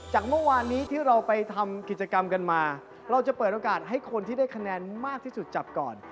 จากเมื่อวานนี้ที่เราไปทำกิจกรรมกันมาเราจะเปิดโอกาสให้คนที่ได้คะแนนมากที่สุดจับก่อน